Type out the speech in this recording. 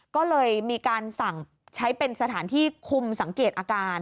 ก็เลยมีการสั่งใช้เป็นสถานที่คุมสังเกตอาการ